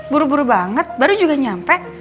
buru buru banget baru juga nyampe